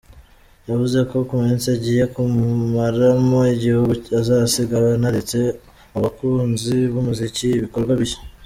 Yavuze ko mu minsi agiye kumaramu gihugu azasiga aneretse abakunzi b’umuziki ibikorwa bishya.